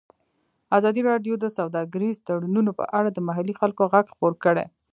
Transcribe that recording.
ازادي راډیو د سوداګریز تړونونه په اړه د محلي خلکو غږ خپور کړی.